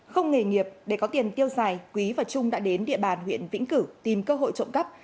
không nghề nghiệp để có tiền tiêu xài quý và trung đã đến địa bàn huyện vĩnh cửu tìm cơ hội trộm cắp